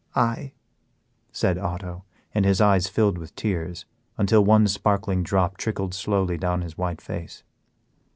"Aye," said Otto, and his eyes filled with tears, until one sparkling drop trickled slowly down his white face.